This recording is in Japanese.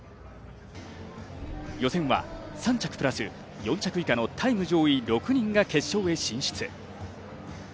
予選は３着プラス４着以下のタイム上位６人が決勝へ進出。